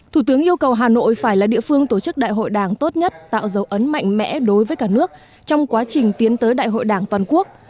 thủ tướng yêu cầu hà nội phải là địa phương tổ chức đại hội đảng tốt nhất tạo dấu ấn mạnh mẽ đối với cả nước trong quá trình tiến tới đại hội đảng toàn quốc